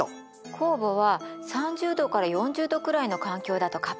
酵母は３０度から４０度くらいの環境だと活発に働くのよ。